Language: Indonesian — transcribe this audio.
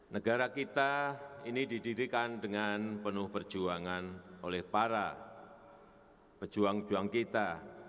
negara kita ini didirikan dengan penuh perjuangan oleh para pejuang pejuang kita